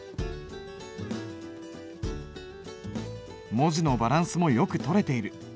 文字のバランスもよくとれている。